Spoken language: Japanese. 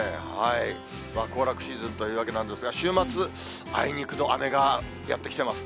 行楽シーズンというわけなんですが、週末、あいにくの雨がやって来ています。